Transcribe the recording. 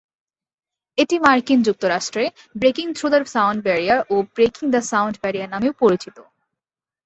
এটি মার্কিন যুক্তরাষ্ট্রে breaking through the sound barrier, ও ব্রেকিং দ্য সাউন্ড ব্যারিয়ার নামেও পরিচিত।